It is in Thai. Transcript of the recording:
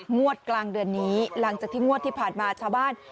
งวดกลางเดือนนี้หลังจากที่งวดที่ผ่านมาชาวบ้าน